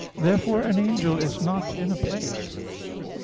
Therefore an angel is not in a place.